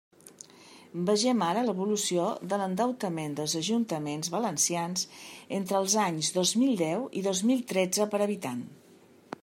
Vegem ara l'evolució de l'endeutament dels ajuntaments valencians entre els anys dos mil deu i dos mil tretze per habitant.